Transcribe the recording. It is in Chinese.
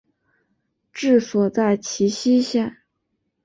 治所在齐熙县。